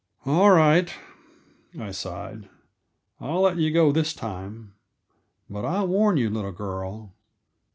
"All right," I sighed, "I'll let you go this time. But I warn you, little girl.